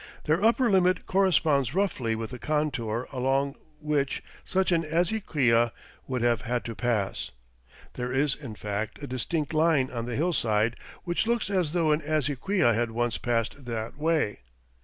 Their upper limit corresponds roughly with the contour along which such an azequia would have had to pass. There is, in fact, a distinct line on the hillside which looks as though an azequia had once passed that way.